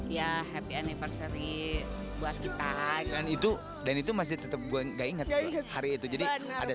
ya happy anniversary buat kita dan itu dan itu masih tetap gue enggak inget hari itu jadi ada